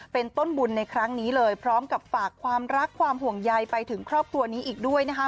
เป็นต้นบุญในครั้งนี้เลยพร้อมกับฝากความรักความห่วงใยไปถึงครอบครัวนี้อีกด้วยนะคะ